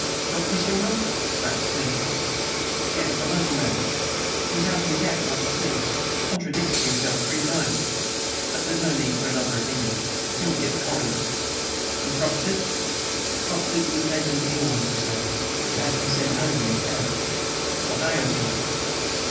"Doctor seen them?" rapped Smith. "Yes; a local man. He was out of his depth, I could see. Contradicted himself three times. But there's no need for another opinion until we get the coroner's." "And Croxted?" "Croxted was taken ill, Mr. Smith, and had to be sent home in a cab." "What ails him?"